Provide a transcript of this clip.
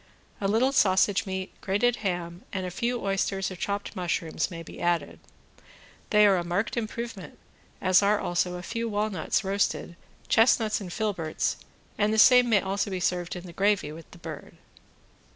A little sausage meat, grated ham and a few oysters or chopped mushrooms may be added; they are a marked improvement, as are also a few walnuts roasted, chestnuts and filberts, and the same may also be served in the gravy with the bird.